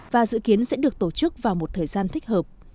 và dự kiến sẽ được tổ chức vào một thời gian thích hợp